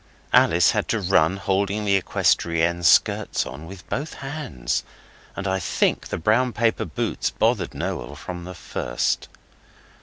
Alice had to run holding the equestrienne skirts on with both hands, and I think the brown paper boots bothered Noel from the first.